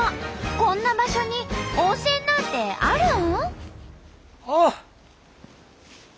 こんな場所に温泉なんてあるん？